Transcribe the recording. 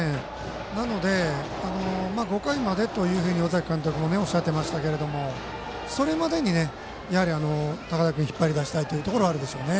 なので、５回までと尾崎監督もおっしゃっていましたがそれまでに高田君を引っ張り出したいでしょうね。